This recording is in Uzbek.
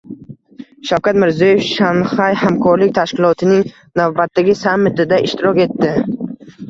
Shavkat Mirziyoyev Shanxay hamkorlik tashkilotining navbatdagi sammitida ishtirok etdi